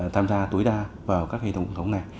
tham gia tối đa vào các hệ thống này